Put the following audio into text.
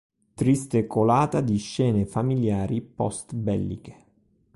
Triste colata di scene familiari post-belliche.